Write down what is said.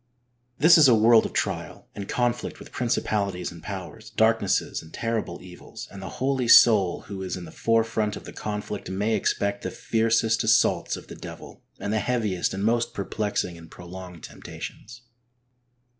This is a world of trial, and conflict with principalities and powers, darknesses and terrible evils, and the holy soul who is in the fore front of the conflict may expect the fiercest assaults of the devil, and the heaviest and most perplexing and prolonged temptations.